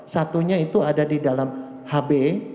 satunya itu ada di dalam hb